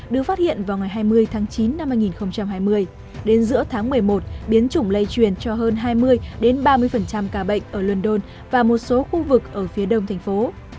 đến giữa tháng một mươi một biến chủng lây truyền cho hơn hai mươi ba mươi ca bệnh ở london và một số khu vực ở phía đông thành phố